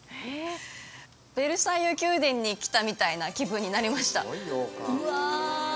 ベルサイユ宮殿に来たみたいな気分になりましたうわ！